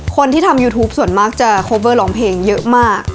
คนที่ทำยูทูปส่วนมากจะโคเวอร์ร้องเพลงเยอะมาก